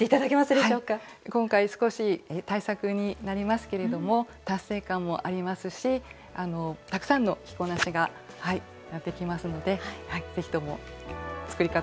今回少し大作になりますけれども達成感もありますしたくさんの着こなしができますので是非とも作り方